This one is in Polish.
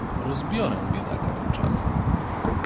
"Rozbiorę biedaka tymczasem!"